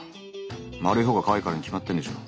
丸いほうがかわいいからに決まってんでしょ。